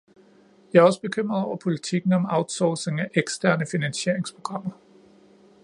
Jeg er også bekymret over politikken om outsourcing af alle eksterne finansieringsprogrammer.